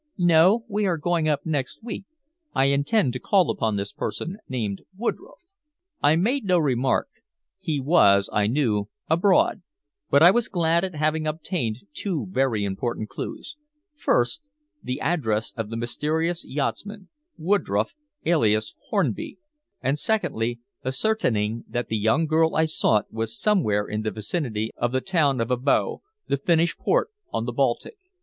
"No. We are going up next week. I intend to call upon this person named Woodroffe." I made no remark. He was, I knew, abroad, but I was glad at having obtained two very important clues: first, the address of the mysterious yachtsman, Woodroffe, alias Hornby, and, secondly, ascertaining that the young girl I sought was somewhere in the vicinity of the town of Abo, the Finnish port on the Baltic.